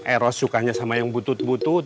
eros sukanya sama yang butut butut